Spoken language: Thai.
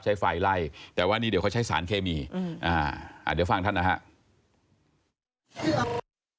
ใช้ไฟไล่แต่ว่านี่เดี๋ยวเขาใช้สารเคมีเดี๋ยวฟังท่านนะฮะ